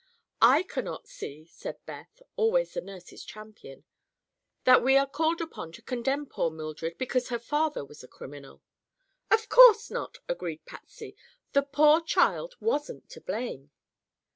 "I cannot see," said Beth, always the nurse's champion, "that we are called upon to condemn poor Mildred because her father was a criminal." "Of course not," agreed Patsy, "the poor child wasn't to blame."